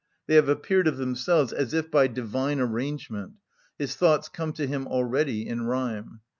They have appeared of themselves as if by divine arrangement; his thoughts come to him already in rhyme.